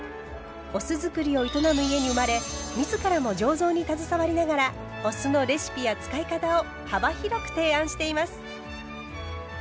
お酢造りを営む家に生まれ自らも醸造に携わりながらお酢のレシピや使い方を幅広く提案しています。